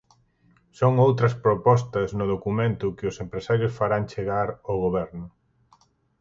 Son outras propostas no documento que os empresarios farán chegar ao Goberno.